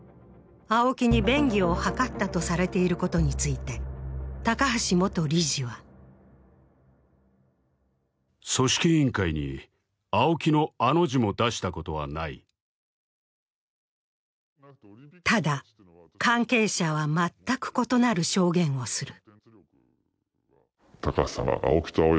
ＡＯＫＩに便宜を図ったとされていることについて、高橋元理事はただ、関係者は全く異なる証言をする。